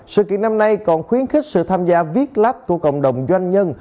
sự kiện năm nay còn khuyến khích sự tham gia viết lap của cộng đồng doanh nhân